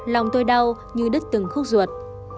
lòng tôi đau như đứt từng khúc ruột